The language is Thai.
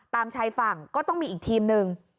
ตามชายฝั่งก็ต้องมีอีกทีมหนึ่ง